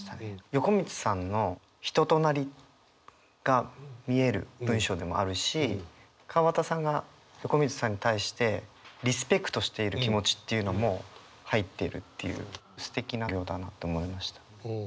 横光さんの人となりが見える文章でもあるし川端さんが横光さんに対してリスペクトしている気持ちっていうのも入ってるっていうすてきな行だなと思いました。